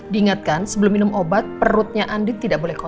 diingatkan sebelum minum obat perutnya andien tidak boleh kosong